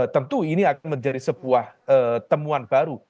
tentu ini akan menjadi sebuah temuan baru